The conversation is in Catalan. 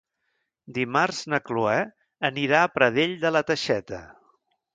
Dimarts na Cloè anirà a Pradell de la Teixeta.